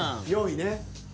４位ね。